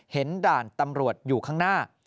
ด่านตำรวจอยู่ข้างหน้า